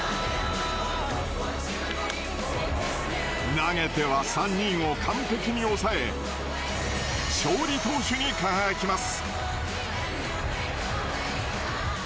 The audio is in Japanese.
投げては３人を完璧に抑え勝利投手に輝きます。